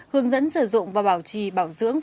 hướng dẫn sử dụng và bảo trì bảo dưỡng